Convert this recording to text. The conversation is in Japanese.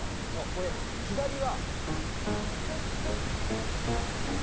これ左は。